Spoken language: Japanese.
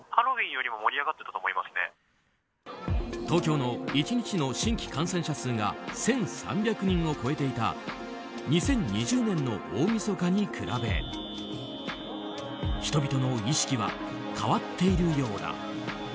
東京の１日の新規感染者数が１３００人を超えていた２０２０年の大みそかに比べ人々の意識は変わっているようだ。